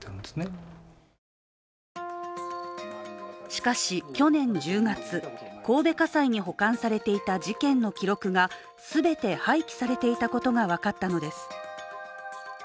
しかし去年１０月、神戸家裁に保管されていた事件の記録が全て廃棄されていたことが分かったのです。